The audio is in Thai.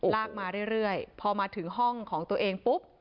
ลากมาเรื่อยพอมาถึงห้องของตัวเองปุ๊บ